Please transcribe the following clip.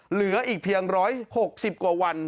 เหลืออีกเพียง๑๖๐กว่าวัน